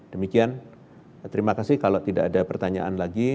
demikian terima kasih kalau tidak ada pertanyaan lagi